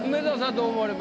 どう思われますか？